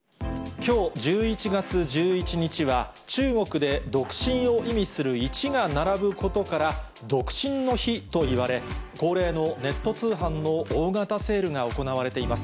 きょう１１月１１日は、中国で独身を意味する１が並ぶことから、独身の日といわれ、恒例のネット通販の大型セールが行われています。